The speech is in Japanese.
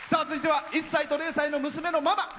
続いては１歳と０歳の娘のママ。